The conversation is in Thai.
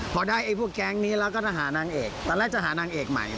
พอได้ไอ้พวกแก๊งนี้แล้วก็จะหานางเอกตอนแรกจะหานางเอกใหม่